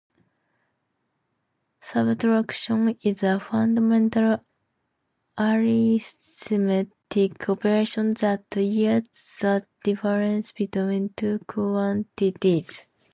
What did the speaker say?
Subtraction is a fundamental arithmetic operation that yields the difference between two quantities.